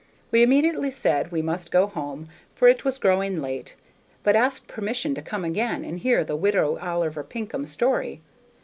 We immediately said we must go home, for it was growing late, but asked permission to come again and hear the Widow Oliver Pinkham story.